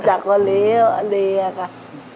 ชาติด้วยครับ